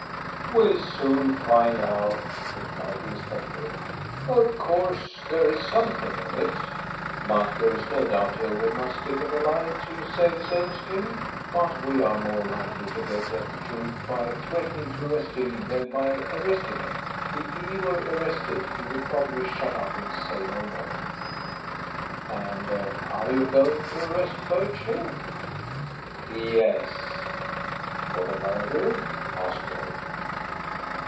"We'll soon find out," replied the inspector. "Of course, there is something in it, but there is no doubt Hill will not stick at a lie to save his own skin. But we are more likely to get at the truth by threatening to arrest him than by arresting him. If he were arrested he would probably shut up and say no more." "And are you going to arrest Birchill?" "Yes." "For the murder?" asked Rolfe.